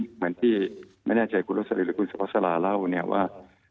เหมือนที่ไม่แน่ใจคุณรสลิหรือคุณสวสลาห์เล่าว่า